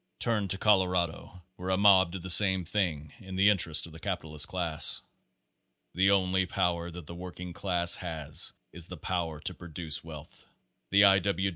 Turn to Colorado, where a mob did the same thing in the interest of the capitalist class. The only power that the working class has is the , power to produce wealth. The I. W.